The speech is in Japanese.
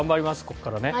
ここからね。